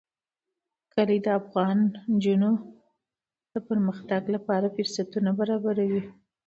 کلي د افغان نجونو د پرمختګ لپاره فرصتونه برابروي.